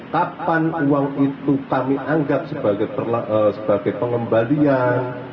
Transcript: kapan uang itu kami anggap sebagai pengembalian